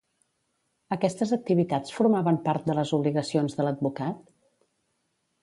Aquestes activitats formaven part de les obligacions de l'advocat?